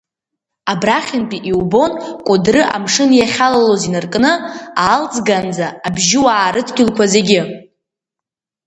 Абрахьынтәи иубон Кәыдры амшын иахьалалоз инаркны, Аалӡганӡа Абжьуаа рыдгьылқәа зегьы.